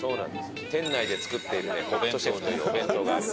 店内で作ってくれるホットシェフというお弁当がある。